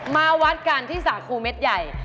มาวัดกันที่สาครูเม็ดใหญ่